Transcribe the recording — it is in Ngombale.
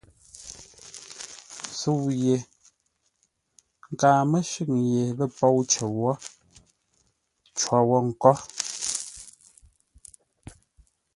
Sə̌u ye nkaa mə́shʉ́ŋ yé lə̂ pôu cər wó, cǒ wo nkór.